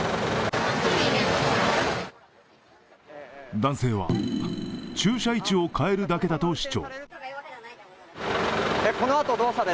男性は駐車位置を変えるだけだと主張。